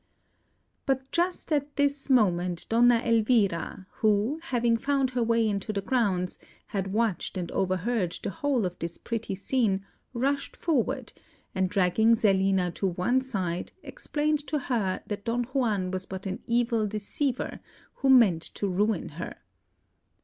But just at this moment, Donna Elvira, who, having found her way into the grounds, had watched and overheard the whole of this pretty scene, rushed forward, and dragging Zerlina to one side, explained to her that Don Juan was but an evil deceiver, who meant to ruin her.